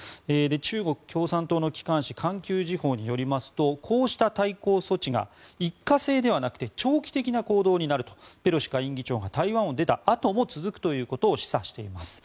中国共産党の機関紙、環球時報によりますとこうした対抗措置が一過性ではなくて長期的な行動になるとペロシ下院議長が台湾を出たあとも続くということを示唆しています。